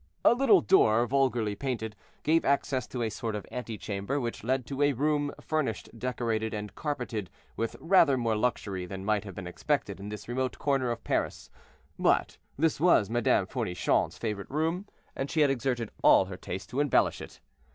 A little door, vulgarly painted, gave access to a sort of antechamber, which led to a room, furnished, decorated, and carpeted with rather more luxury than might have been expected in this remote corner of Paris; but this was Madame Fournichon's favorite room and she had exerted all her taste to embellish it.